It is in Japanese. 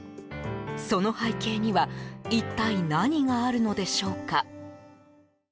その背景には一体何があるのでしょうか。